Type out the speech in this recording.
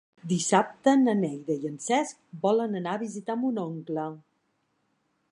Dissabte na Neida i en Cesc volen anar a visitar mon oncle.